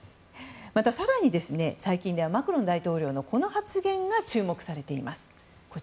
また、更に最近ではマクロン大統領のこの発言が注目されています。